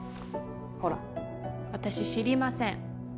ほら私知りません